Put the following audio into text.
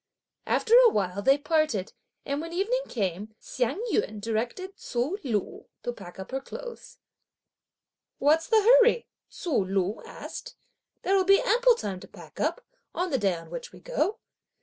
After a while, they parted; and when evening came Hsiang yün directed Ts'ui Lü to pack up her clothes. "What's the hurry?" Ts'ui Lü asked. "There will be ample time to pack up, on the day on which we go!"